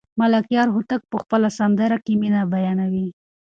ملکیار هوتک په خپله سندره کې مینه بیانوي.